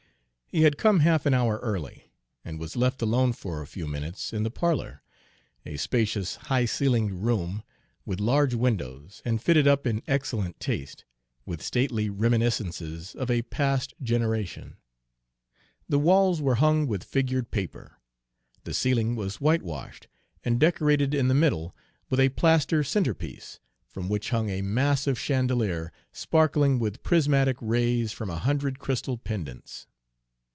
He had come half an hour early, and was left alone for a few minutes in the parlor, a spacious, high ceilinged room, with large windows, and fitted up in excellent taste, with stately reminiscences of a past generation. The walls were hung with figured paper. The ceiling was whitewashed, and decorated in the middle with a plaster centre piece, from which hung a massive chandelier sparkling with prismatic rays from a hundred crystal pendants.